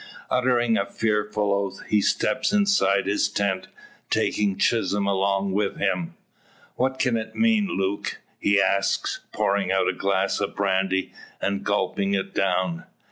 Uttering a fearful oath, he steps inside his tent, taking Chisholm along with him. "What can it mean, Luke?" he asks, pouring out a glass of brandy, and gulping it down.